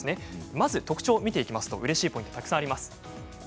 まず特徴を見ていきますとうれしいポイントがたくさんあります。